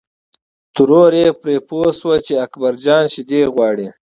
ترور یې پرې پوه شوه چې اکبر جان شیدې غواړي.